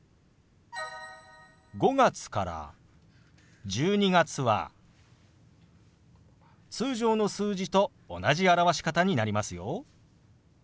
５月から１２月は通常の数字と同じ表し方になりますよ。